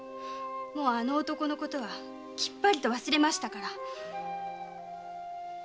もうあの男のことはきっぱりと忘れましたから。